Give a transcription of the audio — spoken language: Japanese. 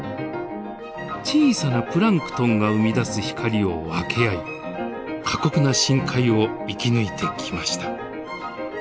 小さなプランクトンが生み出す光を分け合い過酷な深海を生き抜いてきました。